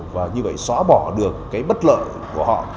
và như vậy xóa bỏ được cái bất lợi của họ